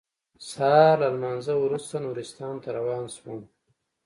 سهار له لمانځه وروسته نورستان ته روان شوم.